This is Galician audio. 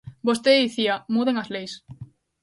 Vostede dicía: Muden as leis.